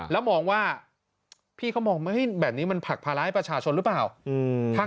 แล้วมองว่าพี่เขามองแบบนี้มันผลักภาระให้ประชาชนหรือเปล่า